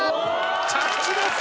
着地です。